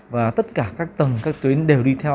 và tất cả các tầng các tuyến đều đi theo